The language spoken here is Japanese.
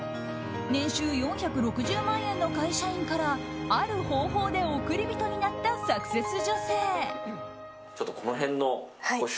年収４６０万円の会社員からある方法で億り人になったサクセス女性。